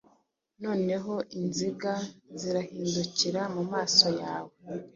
Noneho inziga zirahindukira mumaso yawe